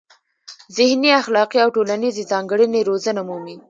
ذهني، اخلاقي او ټولنیزې ځانګړنې روزنه مومي.